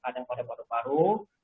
kadang pada paru paru